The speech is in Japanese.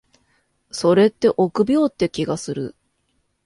それって臆病って気がする。